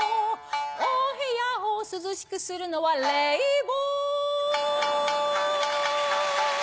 お部屋を涼しくするのは冷房